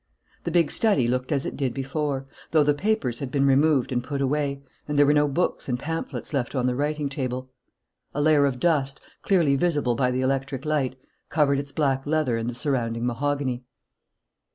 The big study looked as it did before, though the papers had been removed and put away and there were no books and pamphlets left on the writing table. A layer of dust, clearly visible by the electric light, covered its black leather and the surrounding mahogany.